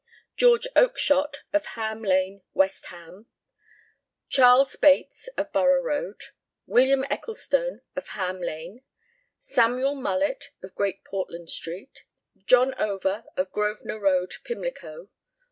GEORGE OAKSHOTT, Ham Lane, West Ham. CHARLES BATES, Borough Road. WM. ECCLESTONE, HAM LANE. SAMUEL MULLETT, Great Portland Street. JOHN OVER, Grosvenor Road, Pimlico.